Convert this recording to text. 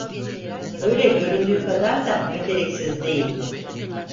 Öyle göründüğü kadar da meteliksiz değildi.